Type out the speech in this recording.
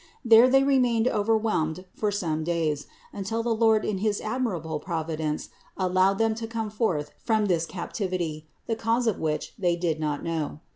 There they remained overwhelmed for some days, until the Lord in his admirable providence allowed them to come forth from this captivity, the cause of which they did not know.